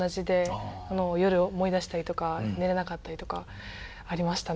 夜思い出したりとか寝れなかったりとかありましたね。